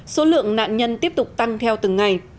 số lượng nạn nhân tiếp tục tăng theo từng ngày